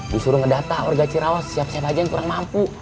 disuruh mendata warga ciraus siapa saja yang kurang mampu